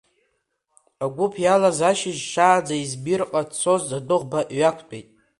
Агәыԥ иалаз ашьыжь шаанӡа Измирҟа ицоз адәыӷба иҩақәтәеит.